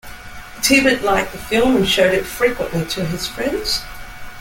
Tibbett liked the film and showed it frequently to his friends.